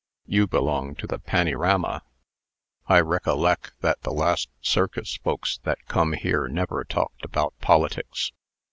You belong to the pannyrama. I recolleck that the last circus folks that come here never talked about politics.